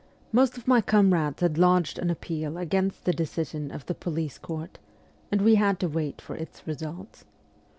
Most of my com rades had lodged an appeal against the decision of the police court and we had to wait for its results.